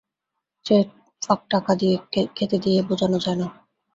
সে ফাঁক টাকা দিয়ে, খ্যাতি দিয়ে, বোজানো যায় না।